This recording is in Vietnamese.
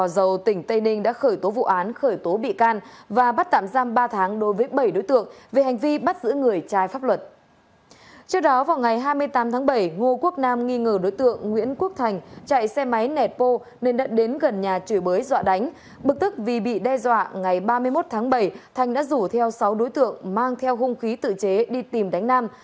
bực tức vì bị đe dọa ngày ba mươi một tháng bảy thành đã rủ theo sáu đối tượng mang theo hung khí tự chế đi tìm đánh nam